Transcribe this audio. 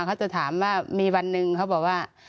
เขาจะถามว่ามีวันหนึ่งเขาบอกว่า